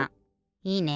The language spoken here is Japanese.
いいね。